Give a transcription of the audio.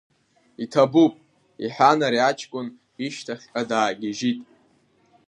Иҭабуп, — иҳәан ари аҷкәын ишьҭахьҟа даагьыжьит.